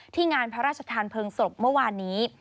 งานพระราชทานเพลิงศพเมื่อวานนี้